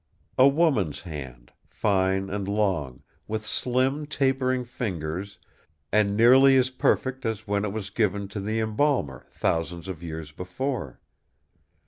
A woman's hand, fine and long, with slim tapering fingers and nearly as perfect as when it was given to the embalmer thousands of years before.